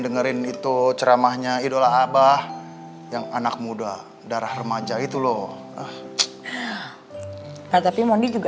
dengerin itu ceramahnya idola abah yang anak muda darah remaja itu loh tapi mondi juga